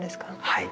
はい。